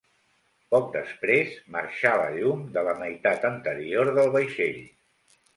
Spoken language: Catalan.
Poc després marxà la llum de la meitat anterior del vaixell.